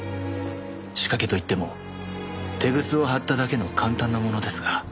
「仕掛けといってもテグスを張っただけの簡単なものですが」